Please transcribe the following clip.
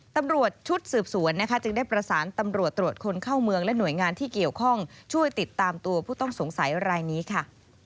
ตำรวจชุดสืบสวนนะคะจึงได้ประสานตำรวจตรวจคนเข้าเมืองและหน่วยงานที่เกี่ยวข้องช่วยติดตามตัวผู้ต้องสงสัยรายนี้ค่ะ